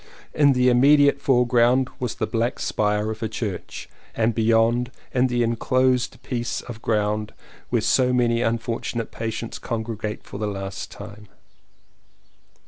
In the immediate foreground was the black spire of a church; and beyond, the enclosed piece of ground where so many unfortunate patients congregate for the last time.